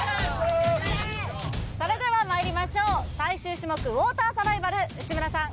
・いけそれではまいりましょう最終種目ウォーターサバイバル内村さん